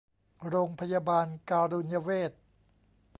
โรงพยาบาลการุญเวช